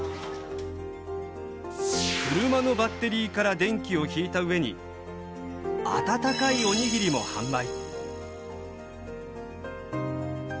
車のバッテリーから電気を引いたうえに温かいおにぎりも販売。